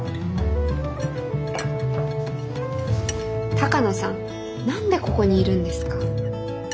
鷹野さん何でここにいるんですか？